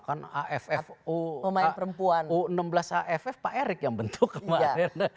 kan affo u enam belas aff pak erick yang bentuk kemarin